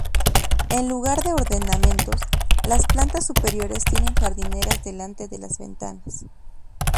En lugar de ornamentos, las plantas superiores tienen jardineras delante de las ventanas.